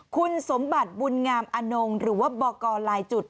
คุณสมบัติบุญงามอนงหรือว่าบอกกรลายจุด